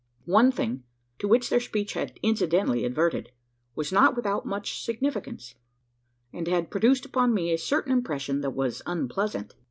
One thing to which their speech had incidentally adverted was not without much significance; and had produced upon me a certain impression that was unpleasant.